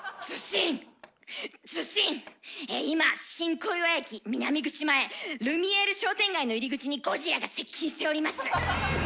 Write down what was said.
今新小岩駅南口前ルミエール商店街の入り口にゴジラが接近しております」。